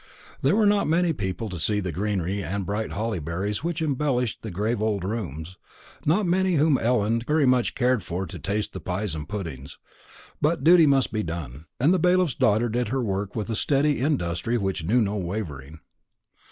There were not many people to see the greenery and bright holly berries which embellished the grave old rooms, not many whom Ellen very much cared for to taste the pies and puddings; but duty must be done, and the bailiff's daughter did her work with a steady industry which knew no wavering.